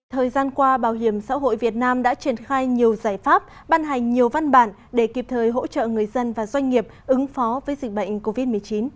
thời gian qua bảo hiểm xã hội việt nam đã triển khai nhiều giải pháp ban hành nhiều văn bản để kịp thời hỗ trợ người dân và doanh nghiệp ứng phó với dịch bệnh covid một mươi chín